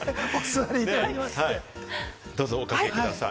どうぞ、おかけください。